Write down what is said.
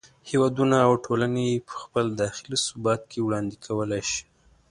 هېوادونه او ټولنې یې په خپل داخلي ثبات کې وړاندې کولای شي.